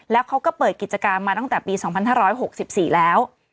แล้วเขาก็เปิดกิจกรรมมาตั้งแต่ปี๒๕๖๔แล้ว